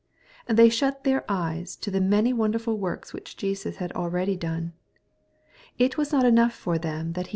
They shut their eyes to the many wonderful works which Jesus had already done. It was not enough for them that He.